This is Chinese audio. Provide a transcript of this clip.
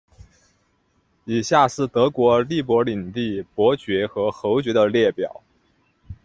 以下是德国利珀领地伯爵和侯爵的列表。